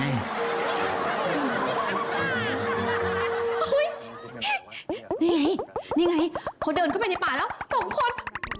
นี่ไงนี่ไงพอเดินเข้าไปในป่าแล้วสองคน